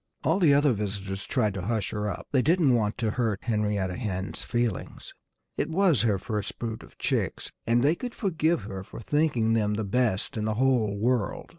All the other visitors tried to hush her up. They didn't want to hurt Henrietta Hen's feelings. It was her first brood of chicks; and they could forgive her for thinking them the best in the whole world.